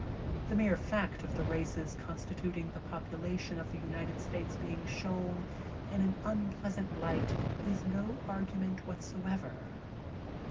The mere fact of the races constituting the p<^ulation of the United States being shown in an unpleasant light is no argument whatever.